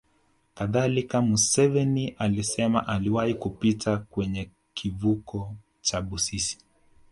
Kadhalika Museveni alisema aliwahi kupita kwenye kivuko cha Busisi